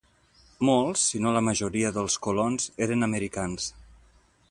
Molts, si no la majoria, dels colons eren americans.